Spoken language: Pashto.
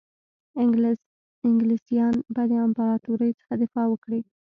انګلیسیان به د امپراطوري څخه دفاع وکړي.